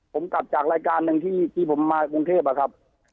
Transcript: ผมกลับจากรายการหนึ่งที่ผมมากรุงเทพอะครับ